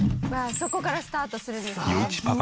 そこからスタートするんですね。